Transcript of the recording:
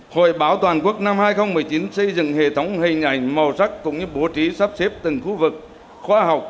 hội báo toàn quốc năm hai nghìn một mươi chín xây dựng hệ thống hình ảnh màu sắc cũng như bố trí sắp xếp từng khu vực khoa học